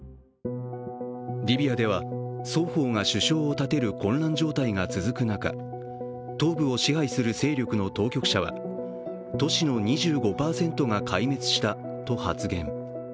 リビアでは双方が首相を立てる混乱状態が続く中、東部を支配する勢力の当局者は、都市の２５％が壊滅したと発言。